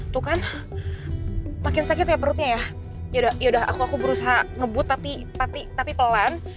tuh kan makin sakit ya perutnya ya udah aku aku berusaha ngebut tapi pelan